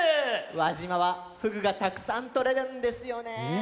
輪島はふぐがたくさんとれるんですよね。